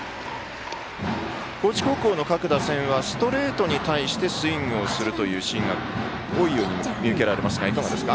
高知高校の各打線はストレートに対してスイングをするというシーンが多いように見受けられますがいかがですか？